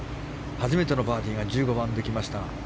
初めてのバーディーが１５番できました。